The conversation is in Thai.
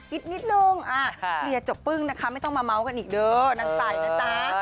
คิดนิดนึงอ่ะเดี๋ยวจบปึ้งนะคะไม่ต้องมาเม้ากันอีกเด้อนั่นใส่นั่นใส่